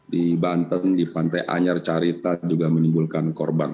dan di pantai anyar carita juga menimbulkan korban